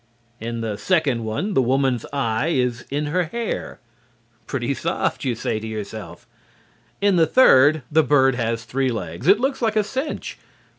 In the second one the woman's eye is in her hair. Pretty soft, you say to yourself. In the third the bird has three legs. It looks like a cinch.